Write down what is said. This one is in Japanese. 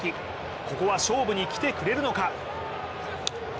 ここは勝負にきてくれるのか。